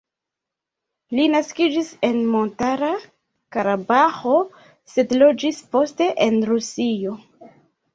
Li naskiĝis en Montara Karabaĥo, sed loĝis poste en Rusio.